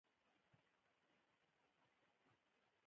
بال د بېټ سره ټکر کوي.